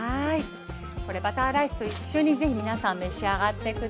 これバターライスと一緒に是非皆さん召し上がって下さいね。